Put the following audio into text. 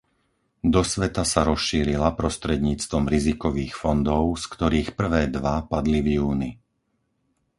Do sveta sa rozšírila prostredníctvom rizikových fondov, z ktorých prvé dva padli v júni.